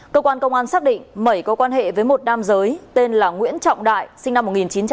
cơ quan công an xác định mẩy có quan hệ với một nam giới tên là nguyễn trọng đại sinh năm một nghìn chín trăm tám mươi